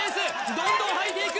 どんどんはいていく